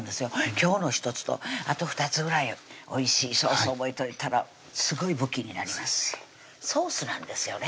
今日の１つとあと２つぐらいおいしいソース覚えといたらすごい武器になりますソースなんですよね